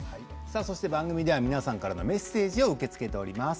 そして、番組では皆さんからのメッセージを受け付けています。